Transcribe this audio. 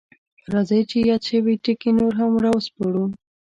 راځئ چې یاد شوي ټکي نور هم راوسپړو: